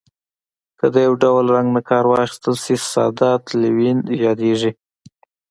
که د یو ډول رنګ نه کار واخیستل شي ساده تلوین یادیږي.